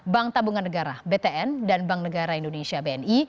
bank tabungan negara btn dan bank negara indonesia bni